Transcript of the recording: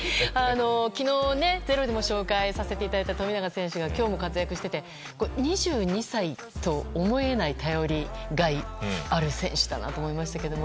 昨日、「ｚｅｒｏ」でも紹介させていただいた富永選手が今日も活躍してて２２歳と思えない頼りがいがある選手だなと思いましたけど。